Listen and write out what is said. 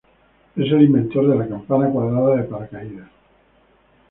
Es el inventor de la campana cuadrada de paracaídas.